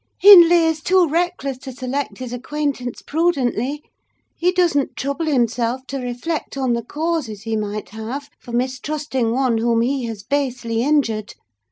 Hindley is too reckless to select his acquaintance prudently: he doesn't trouble himself to reflect on the causes he might have for mistrusting one whom he has basely injured.